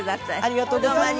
ありがとうございます。